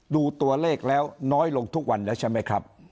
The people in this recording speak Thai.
ดูตัวเลขแล้วน้อยลงทุกวันแล้วใช่ไหมครับ